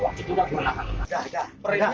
waktu itu udah kemenangan